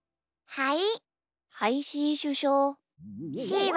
はい！